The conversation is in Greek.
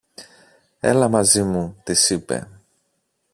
Έλα μαζί μου, της είπε.